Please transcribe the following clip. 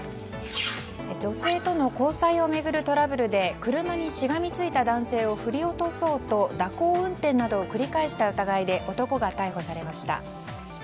女性との交際を巡るトラブルで車にしがみついた男性を振り落とそうと蛇行運転などを繰り返した疑いで男が逮捕されました。